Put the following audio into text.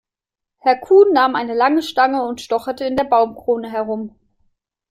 Herr Kuhn nahm eine lange Stange und stocherte in der Baumkrone herum.